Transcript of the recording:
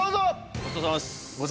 ごちそうさまです。